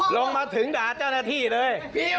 ลงมาถึงด่าเจ้าหน้าที่เลย